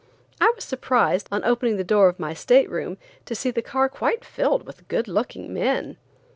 I was surprised, on opening the door of my state room, to see the car quite filled with good looking men.